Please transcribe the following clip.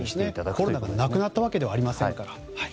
コロナがなくなったわけではありませんから。